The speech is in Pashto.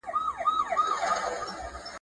خټین کورونه ژر نه نړېږي.